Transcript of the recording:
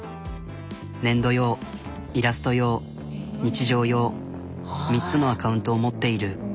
粘土用イラスト用日常用３つのアカウントを持っている。